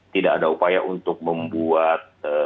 tidak ada upaya untuk membuat